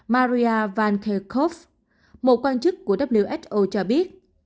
maria van kerkhove một quan chức của who cho biết